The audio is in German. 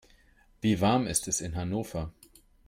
Wie warm ist es in Hannover?